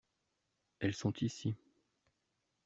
Elles sont ici.